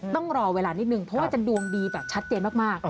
ต้องรอเวลานิดนึงเพราะว่าจะดวงดีแบบชัดเจนมาก